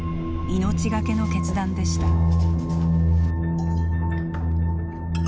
命懸けの決断でした。